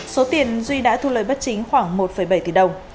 số tiền duy đã thu lời bất chính khoảng một bảy tỷ đồng